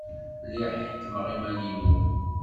Lliɣ ḥekkmeɣ iman-inu.